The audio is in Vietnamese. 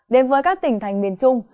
đến với các tỉnh thành miền trung